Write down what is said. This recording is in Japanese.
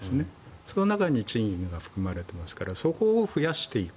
その中に賃金が含まれていますからそこを増やしていく。